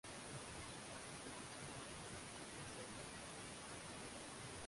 na kutaja vipao mbele kwa mwaka husika